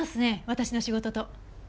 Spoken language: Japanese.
私の仕事と。